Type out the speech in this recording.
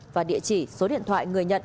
và địa chỉ số điện thoại người nhận